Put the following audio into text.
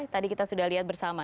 tadi kita sudah lihat bersama